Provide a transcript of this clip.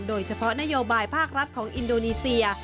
โดยเฉพาะนโยบายภาครัฐของอินโดนีเซีย